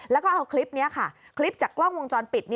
แล้วก็เอาคลิปนี้ค่ะคลิปจากกล้องวงจรปิด